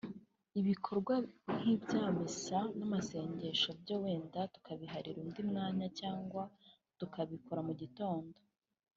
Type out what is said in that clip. ibikorwa nk’ibya misa n’amasengesho byo wenda tukabiharira undi mwanya cyangwa tukabikora mu gitondo